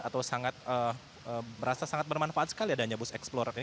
atau sangat merasa sangat bermanfaat sekali adanya bus eksplorer ini